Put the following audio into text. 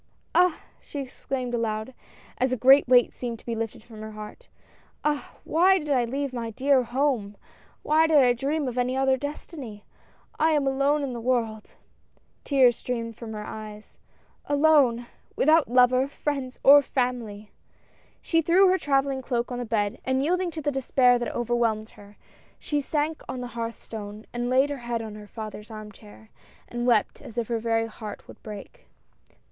" Ah !" she exclaimed aloud, as a great weight seemed to be lifted from her heart — "Ah, why did I leave my dear home ? Why did I dream of any other destiny. I am alone in the world !— Tears THE RETURN. 189 streamed from her eyes — alone ! without lover, friends, or family ! She threw her traveling cloak on the bed and yield ing to the despair that overwhelmed her, she sank on the hearthstone, laid her head on her father's arm chair, and wept as if her very heart would break.